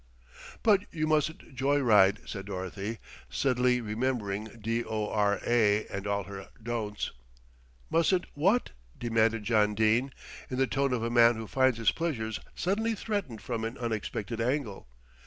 "But you mustn't joy ride," said Dorothy, suddenly remembering D.O.R.A. and all her Don't's. "Mustn't what?" demanded John Dene, in the tone of a man who finds his pleasures suddenly threatened from an unexpected angle.